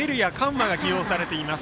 羽が起用されています。